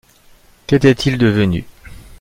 Qu’était-il devenu?